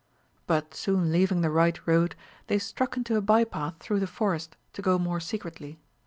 But soon leaving the right road, they struck into a bye path through the forest, to go more secretly.